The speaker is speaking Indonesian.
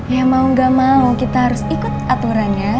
ya mau gak mau kita harus ikut aturannya